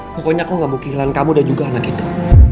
pokoknya aku gak mau kehilangan kamu dan juga anak itu